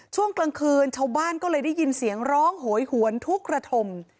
ช่วงกลางคืนชาวบ้านก็เลยได้ยินเสียงร้องโหยหวนทุกระถม